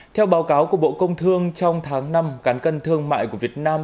theo báo cáo của bộ công thương trong tháng năm cán cân thương mại của việt nam